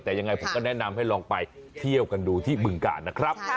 แต่ยังไงผมก็แนะนำให้ลองไปเที่ยวกันดูที่บึงกาลนะครับ